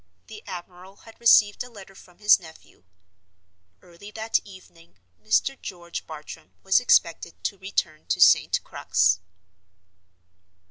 The admiral had received a letter from his nephew. Early that evening Mr. George Bartram was expected to return to St. Crux.